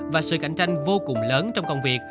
và sự cạnh tranh vô cùng lớn trong công việc